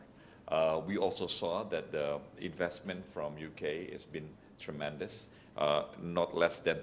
kami juga melihat investasi dari amerika serikat sangat besar